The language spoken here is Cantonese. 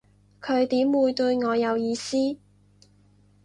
佢點會對我有意思